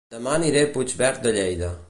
Dema aniré a Puigverd de Lleida